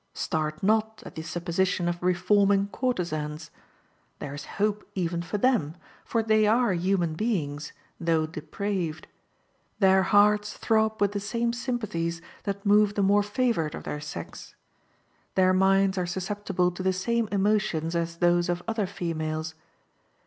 Start not at the supposition of reforming courtesans. There is hope even for them, for they are human beings, though depraved. Their hearts throb with the same sympathies that move the more favored of their sex. Their minds are susceptible to the same emotions as those of other females.